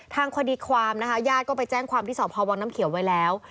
ทางคดีความนะคะญาติก็ไปแจ้งความที่สพวังน้ำเขียวไว้แล้ว